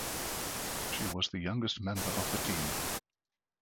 She was the youngest member of the team.